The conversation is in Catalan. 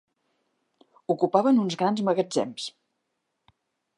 Ocupaven uns grans magatzems